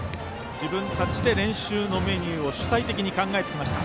自分たちで練習のメニューを主体的に考えてきました。